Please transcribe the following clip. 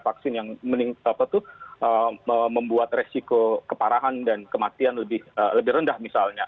vaksin yang membuat resiko keparahan dan kematian lebih rendah misalnya